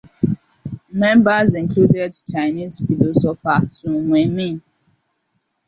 Members included Chinese philosopher Tu Weiming.